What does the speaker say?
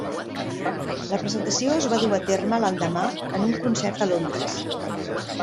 La presentació es va dur a terme l'endemà en un concert a Londres.